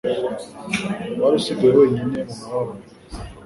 wari usigaye wenyine mu mubabaro.